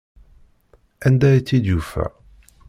Anda ay tt-id-yufa?